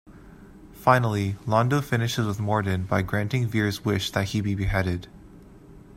Finally, Londo finishes with Morden by granting Vir's wish that he be beheaded.